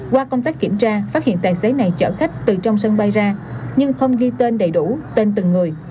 qua công tác kiểm tra phát hiện tài xế này chở khách từ trong sân bay ra nhưng không ghi tên đầy đủ tên từng người